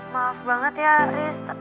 maaf banget ya riz